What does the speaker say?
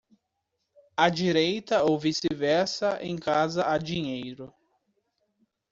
À direita ou vice-versa, em casa há dinheiro.